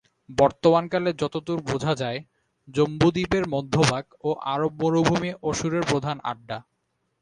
বর্তমান কালে যতদূর বোঝা যায়, জম্বুদ্বীপের মধ্যভাগ ও আরবের মরুভূমি অসুরের প্রধান আড্ডা।